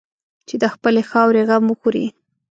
چې د خپلې خاورې غم وخوري.